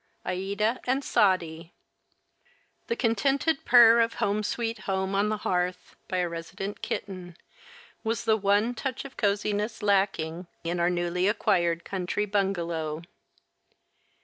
AÏDA AND SAADI The contented purr of "Home Sweet Home" on the hearth, by a resident kitten, was the one touch of coziness lacking in our newly acquired country bungalow.